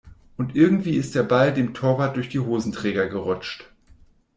Und irgendwie ist der Ball dem Torwart durch die Hosenträger gerutscht.